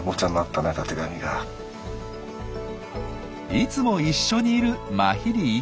いつも一緒にいるマヒリ一家。